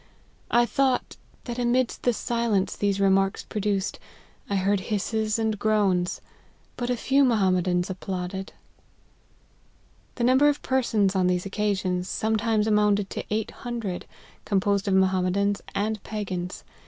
I thought, that amidst the silence these remarks produced, I heard hisses and groans : but a few Mohammedans applauded." The number of persons on these occasions, some times amounted' to eight hundred, composed of Mo hammedans and Pagans.